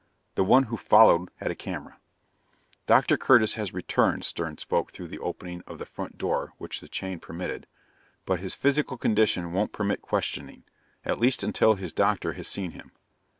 The one who followed had a camera. "Dr. Curtis has returned," Stern spoke through the opening of the front door which the chain permitted, "but his physical condition won't permit questioning, at least until his doctor has seen him."